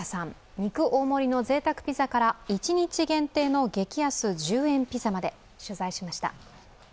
肉大盛りのぜいたくピザから一日限定の激安１０円ピザまで取材しました。